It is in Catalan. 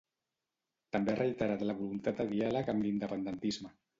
També ha reiterat la voluntat de diàleg amb l'independentisme.